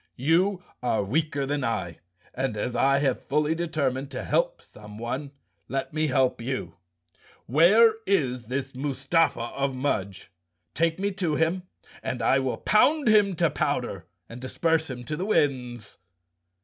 "You are weaker than I and, as I have fully determined to help someone, let me help you. WTiere is this Mustafa of Mudge? Take me to him and I will pound him to powder and disperse him to the winds."